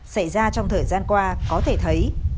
xảy ra trong thời gian qua có thể thấy